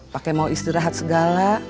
pakai mau istirahat segala